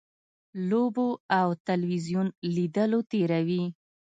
لوبو او تلویزیون لیدلو تېروي.